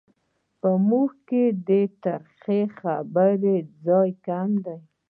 په موږ کې د ترخې خبرې ځای کم دی.